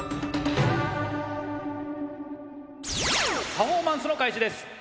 パフォーマンスの開始です。